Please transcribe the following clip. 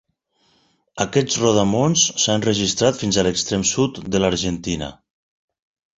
Aquests rodamons s'ha enregistrat fins a l'extrem sud de l'Argentina.